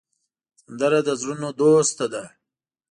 سندره د زړونو دوست ده